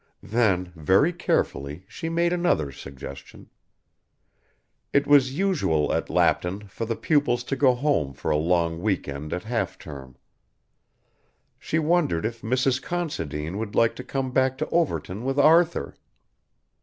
Then, very carefully she made another suggestion. It was usual at Lapton for the pupils to go home for a long week end at half term. She wondered if Mrs. Considine would like to come back to Overton with Arthur?